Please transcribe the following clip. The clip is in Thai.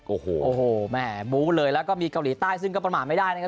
โอ้โหโอ้โหแม่บู้เลยแล้วก็มีเกาหลีใต้ซึ่งก็ประมาทไม่ได้นะครับ